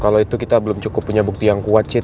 kalau itu kita belum cukup punya bukti yang kuat